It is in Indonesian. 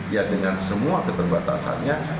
ya dengan semua keterbatasannya